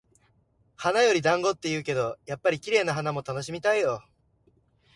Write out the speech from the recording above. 「花より団子」って言うけど、やっぱり綺麗な花も楽しみたいよ。